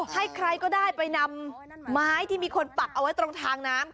ให้ใครก็ได้ไปนำไม้ที่มีคนปักเอาไว้ตรงทางน้ำ